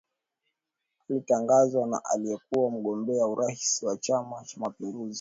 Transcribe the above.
Alitangazwa na aliyekuwa mgombea urais wa chama cha mapinduzi